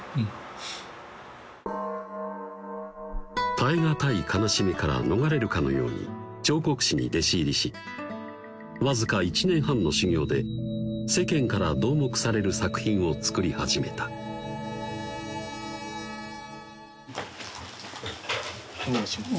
耐え難い悲しみから逃れるかのように彫刻師に弟子入りしわずか１年半の修業で世間から瞠目される作品を作り始めたお願いします